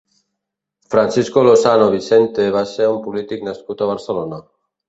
Francisco Lozano Vicente va ser un polític nascut a Barcelona.